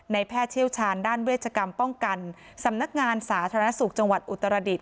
แพทย์เชี่ยวชาญด้านเวชกรรมป้องกันสำนักงานสาธารณสุขจังหวัดอุตรดิษฐ